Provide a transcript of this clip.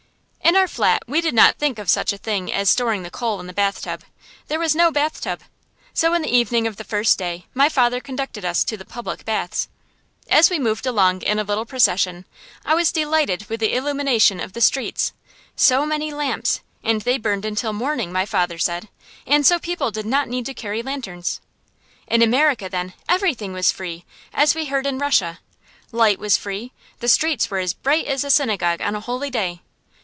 In our flat we did not think of such a thing as storing the coal in the bathtub. There was no bathtub. So in the evening of the first day my father conducted us to the public baths. As we moved along in a little procession, I was delighted with the illumination of the streets. So many lamps, and they burned until morning, my father said, and so people did not need to carry lanterns. In America, then, everything was free, as we had heard in Russia. Light was free; the streets were as bright as a synagogue on a holy day.